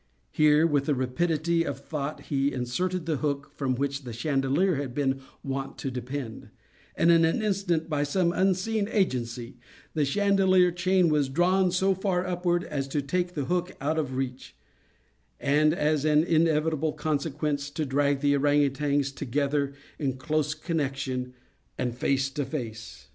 Here, with the rapidity of thought, he inserted the hook from which the chandelier had been wont to depend; and, in an instant, by some unseen agency, the chandelier chain was drawn so far upward as to take the hook out of reach, and, as an inevitable consequence, to drag the ourang outangs together in close connection, and face to face.